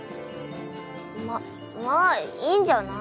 ままあいいんじゃない。